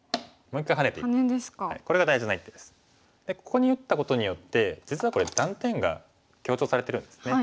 ここに打ったことによって実はこれ断点が強調されてるんですね。